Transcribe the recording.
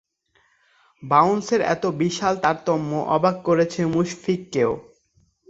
বাউন্সের এত বিশাল তারতম্য অবাক করেছে মুশফিককেও।